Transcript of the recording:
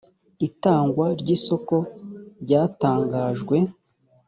itangwa ry’isoko ryatangajwe